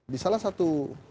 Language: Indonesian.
di salah satu